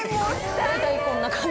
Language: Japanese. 大体こんな感じ。